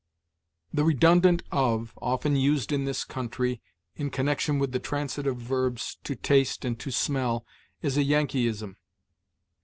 The redundant of, often used, in this country, in connection with the transitive verbs to taste and to smell, is a Yankeeism.